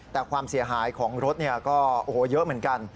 แต่ความเสียหายของรถก็โอ้โหเยอะเหมือนกัน